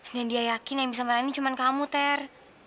dan dia yakin yang bisa merani cuma kamu ter